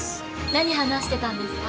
何話してたんですか？